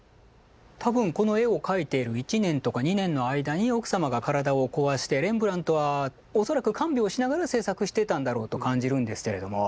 多分この絵を描いている１年とか２年の間に奥様が体を壊してレンブラントは恐らく看病をしながら制作していたんだろうと感じるんですけれども。